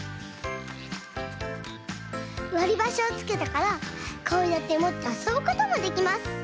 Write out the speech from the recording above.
わりばしをつけたからこうやってもってあそぶこともできます。